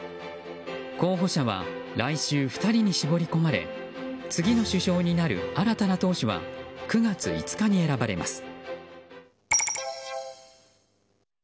候補者は来週２人に絞り込まれ次の首相になる新たな党首は９月５日に選ばれます。